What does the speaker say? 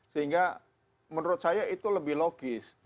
sehingga menurut saya itu lebih logis